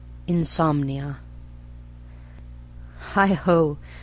Insomnia Heigh ho!